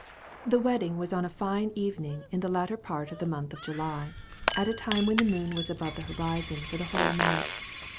The wedding was on a fine evening in the latter part of the month of July, at a time when the moon was above the horizon for the whole night.